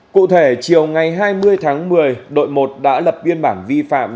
cụ thể chiều ngày hai mươi tháng một mươi đội một đã lập biên bản vi phạm